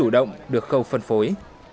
để được cầu phân phối